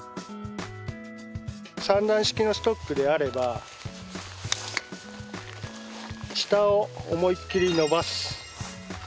３段式のストックであれば下を思いっきり伸ばす。